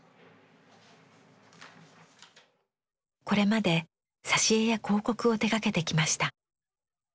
これまで挿絵や広告を手がけてきました。